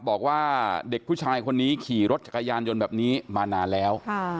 บอกว่าเด็กผู้ชายคนนี้ขี่รถจักรยานยนต์แบบนี้มานานแล้ว